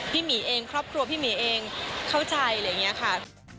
หมีเองครอบครัวพี่หมีเองเข้าใจอะไรอย่างนี้ค่ะ